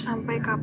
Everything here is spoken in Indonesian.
sampai kapanpun aku